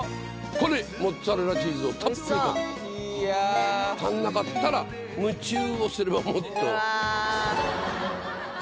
ここにモッツァレラチーズをたっぷりかけて足んなかったらムチューをすればもっとうわ！